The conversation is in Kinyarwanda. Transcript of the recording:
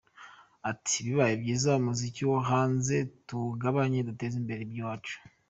Ati “Bibaye byiza umuziki wo hanze tuwugabanye duteze imbere iby’iwacu.